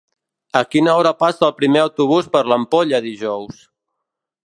A quina hora passa el primer autobús per l'Ampolla dijous?